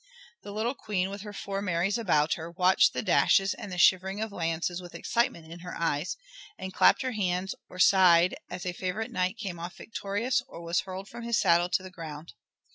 The little Queen, with her four Maries about her, watched the dashes and the shivering of lances with excitement in her eyes, and clapped her hands or sighed as a favorite knight came off victorious or was hurled from his saddle to the ground.